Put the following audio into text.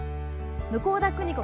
向田邦子